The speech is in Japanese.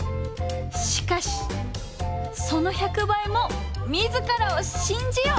しかしその百倍も自らを信じよ！